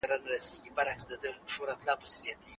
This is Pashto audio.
افغان ښځي د نړیوالو ډیپلوماټانو سره لیدنه نه سي کولای.